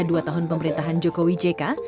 dua tahun pemerintahan jokowi jk